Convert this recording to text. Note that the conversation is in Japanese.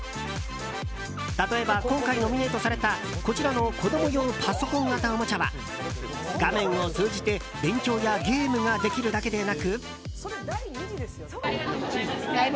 例えば、今回ノミネートされたこちらの子供用パソコン型おもちゃは画面を通じて、勉強やゲームができるだけでなく。